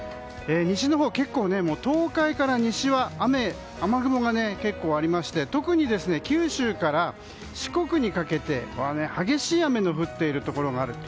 結構、東海から西は雨雲が結構、ありまして特に九州から四国にかけては激しい雨が降っているところがあると。